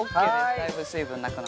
だいぶ水分なくなって。